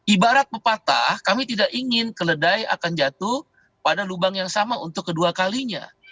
ibarat pepatah kami tidak ingin keledai akan jatuh pada lubang yang sama untuk kedua kalinya